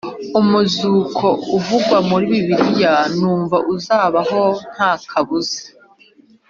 Umuzuko uvugwa muri Bibiliya numva uzabaho nta kabuza